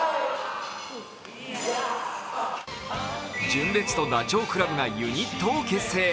純烈とダチョウ倶楽部がユニットを結成。